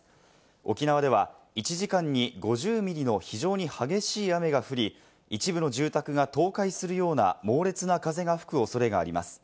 沖縄では１時間に５０ミリの非常に激しい雨が降り、一部の住宅が倒壊するような猛烈な風が吹く恐れがあります。